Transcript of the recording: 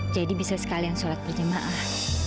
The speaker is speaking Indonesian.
jadi bisa sekalian sholat berjemaah